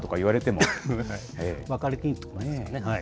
分かりにくいと思いますよね。